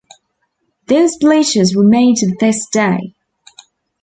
Those bleachers remain to this day.